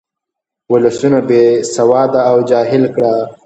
ولسونه بې سواده او جاهل کړه.